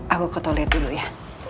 aku kotor liat dulu ya